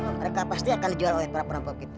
mereka pasti akan dijual oleh para perampok kita